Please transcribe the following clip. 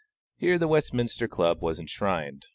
Here the Westminster Club was enshrined.